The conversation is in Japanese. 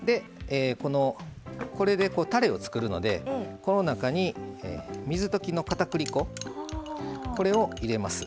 これでたれを作るのでこの中に水溶きのかたくり粉これを入れます。